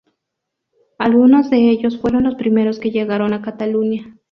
Algunos de ellos fueron los primeros que llegaron a Cataluña.